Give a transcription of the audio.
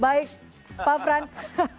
baik pak frans